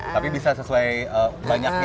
tapi bisa sesuai banyaknya